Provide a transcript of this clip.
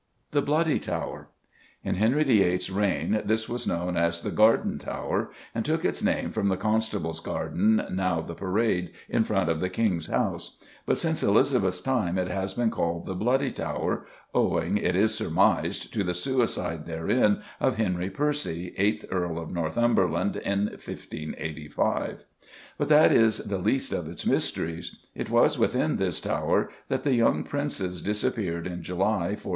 The Bloody Tower. In Henry VIII.'s reign this was known as the Garden Tower, and took its name from the Constable's garden, now the Parade in front of the King's House; but since Elizabeth's time it has been called the Bloody Tower, owing, it is surmised, to the suicide therein of Henry Percy, eighth Earl of Northumberland, in 1585. But that is the least of its mysteries. It was within this tower that the young Princes disappeared in July, 1483.